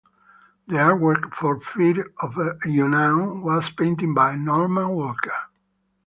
The artwork for "Fear of the Unknown" was painted by Norman Walker.